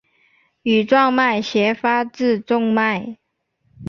羽状脉斜发自中脉。